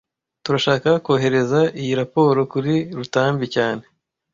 Turashaka kohereza iyi raporo kuri Rutambi cyane